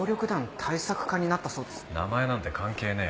名前なんて関係ねえ。